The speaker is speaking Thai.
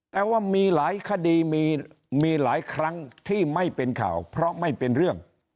แต่ว่ามีหลายคดีมีหลายครั้งที่ไม่เป็นข่าวเพราะไม่เป็นเรื่อง